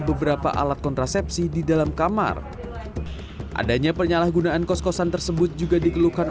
beberapa alat kontrasepsi di dalam kamar adanya penyalahgunaan kos kosan tersebut juga dikeluhkan